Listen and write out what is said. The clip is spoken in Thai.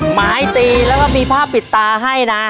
ไม้ตีแล้วก็มีผ้าปิดตาให้นะ